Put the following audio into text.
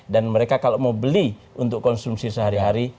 dan mereka kalau mau beli untuk konsumsi sehari hari